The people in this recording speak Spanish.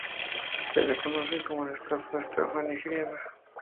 Se la conoce como la estafa Estafa nigeriana.